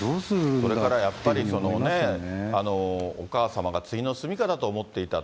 それからやっぱり、お母様が終の棲家だと思っていたと。